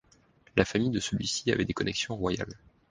La famille de celui-ci avaient des connexions royales.